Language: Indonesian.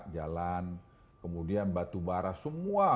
jalan kemudian batu bara semua